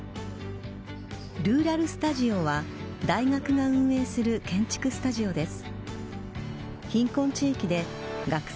ルーラル・スタジオは大学が運営する建築スタジオです。